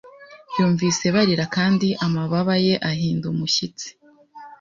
yumvise barira Kandi amababa ye ahinda umushyitsi